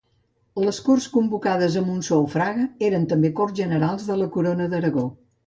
Les Corts convocades a Montsó o Fraga eren també Corts Generals de la Corona d'Aragó.